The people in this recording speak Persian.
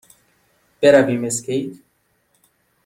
برویم اسکیت؟